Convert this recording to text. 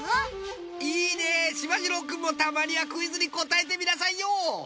いいねしまじろうくんもたまにはクイズに答えてみなさいよ。